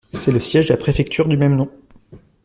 C'est le siège de la préfecture du même nom.